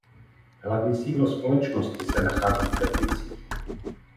Hlavní sídlo společnosti se nachází v Teplicích.